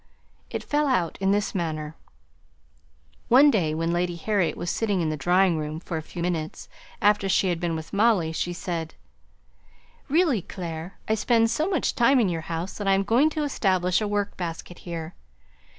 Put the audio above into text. It fell out in this manner: One day, when Lady Harriet was sitting in the drawing room for a few minutes after she had been with Molly, she said, "Really, Clare, I spend so much time in your house that I'm going to establish a work basket here.